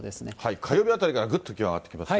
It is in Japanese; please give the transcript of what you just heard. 火曜日あたりからぐっと気温上がってきますね。